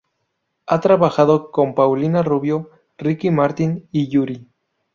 Ha trabajado con Paulina Rubio, Ricky Martin y Yuri.